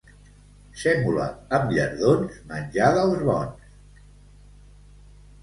Sèmola amb llardons, menjar dels bons.